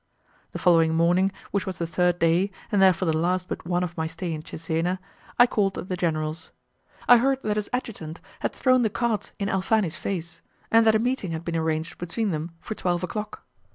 The following morning, which was the third day, and therefore the last but one of my stay in Cesena, I called at the general's. I heard that his adjutant had thrown the cards in Alfani's face, and that a meeting had been arranged between them for twelve o'clock.